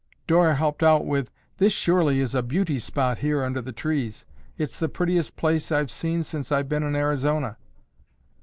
Dora helped out with, "This surely is a beauty spot here under the trees. It's the prettiest place I've seen since I've been in Arizona."